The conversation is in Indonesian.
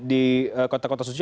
di kota kota suci